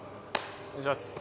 お願いします。